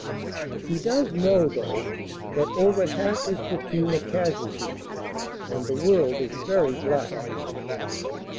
He does know, though, that over half his platoon are casualties, and the world is very black.